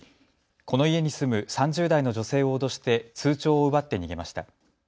この家に住む３０代の女性を脅して通帳を奪って逃げました。